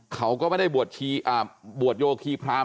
เขาก็ไม่ได้บวชโยคีพราม